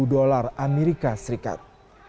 dolar amerika serikat